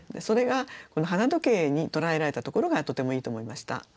それが花時計に捉えられたところがとてもいいと思いました。